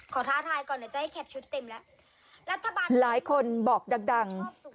ท้าทายก่อนเดี๋ยวจะให้แคปชุดเต็มแล้วรัฐบาลหลายคนบอกดังดัง